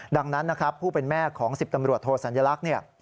ดังนั้นนะครับผู้เป็นแม่ของ๑๐ตำรวจโทสัญลักษณ์เนี่ย